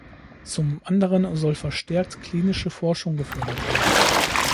Zum anderen soll verstärkt klinische Forschung gefördert werden.